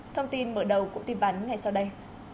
thông tin mở đầu của tin ván ngày sau đây